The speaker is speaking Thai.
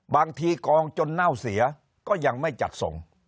กองจนเน่าเสียก็ยังไม่จัดส่ง